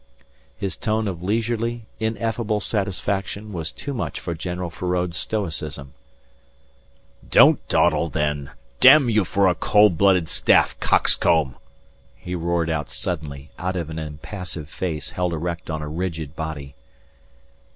] His tone of leisurely, ineffable satisfaction was too much for General Feraud's stoicism. "Don't dawdle then, damn you for a coldblooded staff coxcomb!" he roared out suddenly out of an impassive face held erect on a rigid body.